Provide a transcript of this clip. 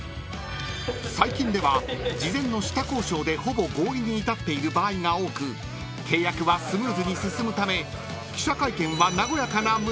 ［最近では事前の下交渉でほぼ合意に至っている場合が多く契約はスムーズに進むため記者会見は］